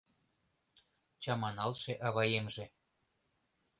Чаманалше аваемже.